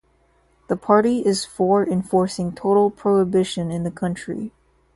The party is for enforcing total prohibition in the country.